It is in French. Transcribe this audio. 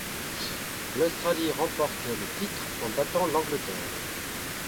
L'Australie remporte le titre en battant l'Angleterre.